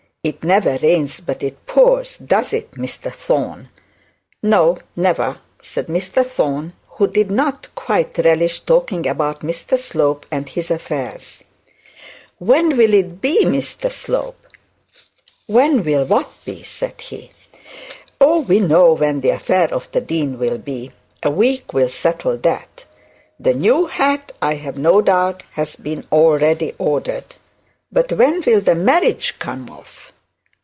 It never rains but it pours, does it Mr Thorne?' 'No, never,' said Mr Thorne, who did not quite relish talking about Mr Slope and his affairs. 'When will it be, Mr Slope?' 'When will what be?' said he. 'Oh! we know when the affair of the dean will be: a week will settle that. The new hat, I have no doubt, has already been ordered. But when will the marriage come off?'